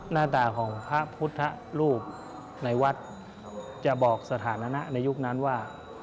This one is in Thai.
หน้าตาของพระพุทธรูปในวัดจะบอกสถานะในยุคนั้นว่า